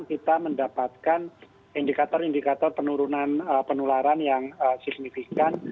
kita mendapatkan indikator indikator penurunan penularan yang signifikan